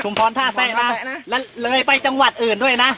ชุมพรทาแซนะและเลยไปจังหวัดอื่นด้วยนะ